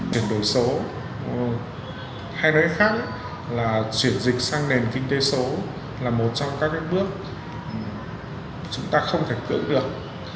chuyển đổi số hay nói khác là chuyển dịch sang nền kinh tế số là một trong các bước chúng ta không thể cưỡng được